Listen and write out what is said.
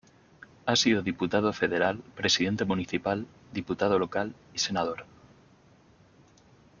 Ha sido diputado federal, presidente municipal, diputado local y senador.